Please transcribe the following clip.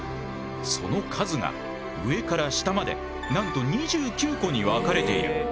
その数が上から下までなんと２９個に分かれている。